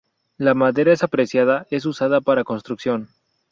La madera es apreciada, es usada para construcción.